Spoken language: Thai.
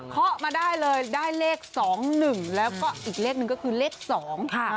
เขามาได้เลยได้เลขสองหนึ่งแล้วก็อีกเลขหนึ่งก็คือเลขสองค่ะ